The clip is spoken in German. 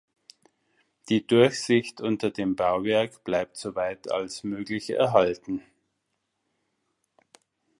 Die Durchsicht unter dem Bauwerk bleibt soweit als möglich erhalten.